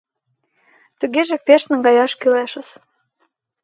— Тугеже пеш наҥгаяш кӱлешыс.